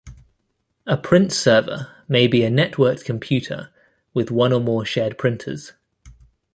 A print server may be a networked computer with one or more shared printers.